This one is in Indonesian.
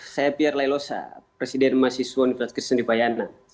saya pierre lailosa presiden mahasiswa universitas krishna dwi payana